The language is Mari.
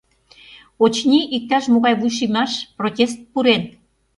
Очыни, иктаж-могай вуйшиймаш, протест пурен.